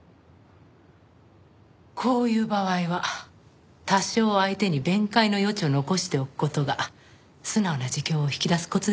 こういう場合は多少相手に弁解の余地を残しておく事が素直な自供を引き出すコツですよ。